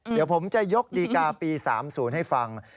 เดี๋ยวผมจะยกดีกาปี๓๐ให้ฟัง